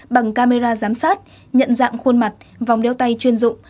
bằng camera giám sát nhận dạng khuôn mặt vòng đeo tay chuyên dụng